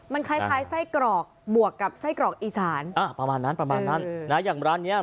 มันคล้ายคล้ายไส้กรอกบวกกับไส้กรอกอีสานอ่าประมาณนั้นประมาณนั้นนะอย่างร้านเนี้ย